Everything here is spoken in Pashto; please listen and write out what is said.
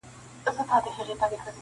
خاموسي تر ټولو درنه پاتې وي